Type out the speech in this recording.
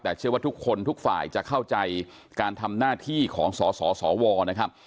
แต่เชื่อว่าทุกคนทุกฝ่ายจะเข้าใจการทำหน้าที่ของสสวนะครับ